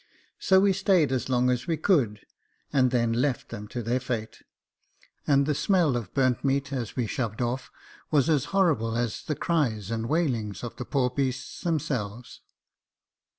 So we stayed as long as we could, and then left them to their fate ; and the smell of burnt meat as we shoved off was as horrible as the cries and wailings of the poor beasts themselves.